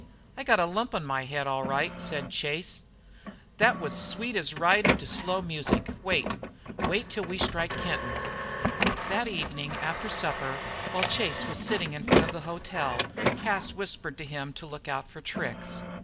I got a lump on my head, all right," said Chase. "Thet was sweet as ridin' to slow music. Wait, wait till we strike Kenton." That evening after supper, while Chase was sitting in front of the hotel, Cas whispered to him to look out for tricks.